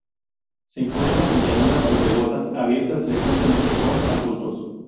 Se encuentra en llanuras pedregosas abiertas frecuentemente con arbustos.